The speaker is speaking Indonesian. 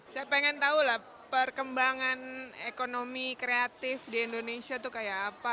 saya pengen tahu lah perkembangan ekonomi kreatif di indonesia itu kayak apa